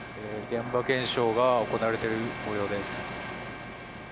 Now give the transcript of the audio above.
現場検証が行われている模様です。